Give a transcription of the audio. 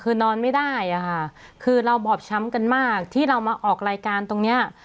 คือนอนไม่ได้อะค่ะคือเราบอบช้ำกันมากที่เรามาออกรายการตรงเนี้ย